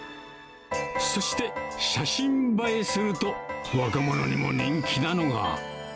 そして、写真映えすると、若者にも人気なのが。